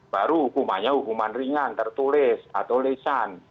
baru hukumannya hukuman ringan tertulis atau lisan